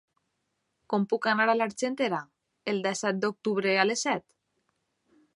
Com puc anar a l'Argentera el disset d'octubre a les set?